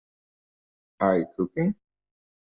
Are you cooking?